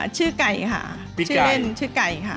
ชื่อไก่ค่ะชื่อเล่นชื่อไก่ค่ะ